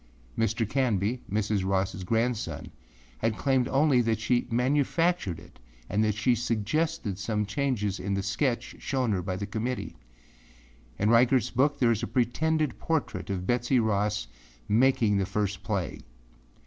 Mr. Canby, Mrs. Rossâ grandson, had claimed only that she manufactured it and that she suggested some changes in the sketch shown her by the committee. In Reigartâs book there is a pretended portrait of Betsey Ross making the first flag.